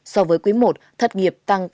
so với quý một thất nghiệp tăng